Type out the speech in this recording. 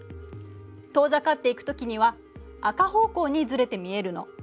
遠ざかっていくときには赤方向にずれて見えるの。